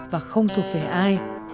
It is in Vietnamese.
và không thuộc về ai